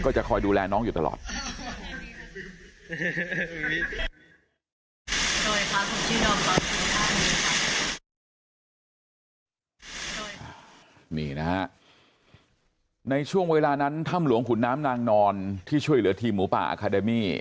จะคอยดูแลน้องอยู่ตลอด